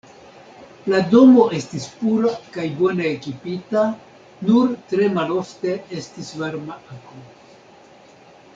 La domo estis pura kaj bone ekipita, nur tre malofte estis varma akvo.